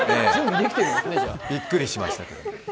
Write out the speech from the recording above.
びっくりしましたけど。